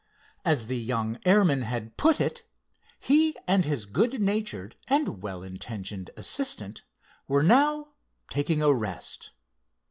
As the young airman had put it, he and his good natured and well intentioned assistant were now "taking a rest."